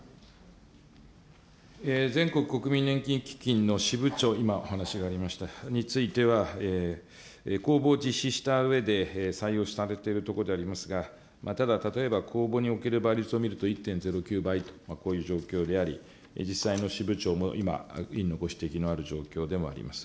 全国国民年金基金の支部長、今、お話がありました、については、公募を実施したうえで、採用されてるところでありますが、ただ、例えば公募における倍率を見ると１．０９倍と、こういう状況であり、実際の支部長も今、委員のご指摘のある状況でもあります。